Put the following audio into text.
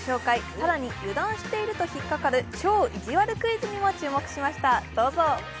更に油断していると引っ掛かる「超いじわるクイズ」にも挑戦しました。